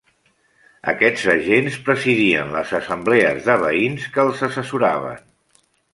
Aquests agents presidien les assemblees de veïns, que els assessoraven.